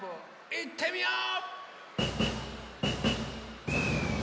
いってみよう！